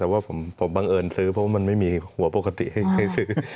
แต่ว่าผมบังเอิญซื้อเพราะว่ามันไม่มีหัวปกติให้ซื้อ